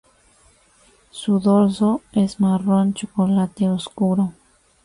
Su dorso es marrón chocolate oscuro.